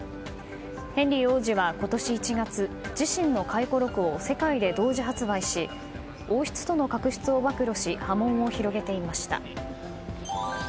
ヘンリー王子は今年１月自身の回顧録を世界で同時発売し王室との確執を暴露し波紋を広げていました。